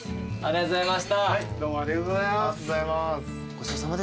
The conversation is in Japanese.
ありがとうございます。